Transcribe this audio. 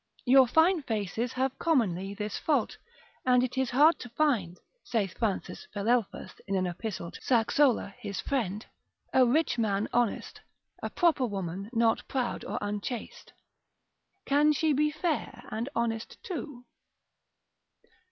Your fine faces have commonly this fault; and it is hard to find, saith Francis Philelphus in an epistle to Saxola his friend, a rich man honest, a proper woman not proud or unchaste. Can she be fair and honest too?